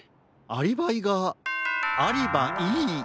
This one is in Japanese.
アリバイがありばいい。